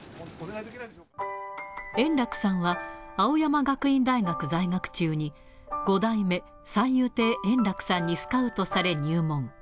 円楽さんは青山学院大学在学中に、五代目三遊亭圓楽さんにスカウトされ入門。